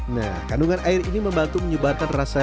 nah kandungan air ini membantu menyebarkan rasa